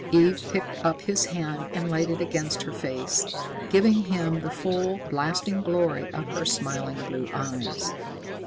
Eve picked up his hand and laid it against her face, giving him the full, blasting glory of her smiling blue eyes.